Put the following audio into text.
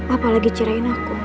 apalagi cerain aku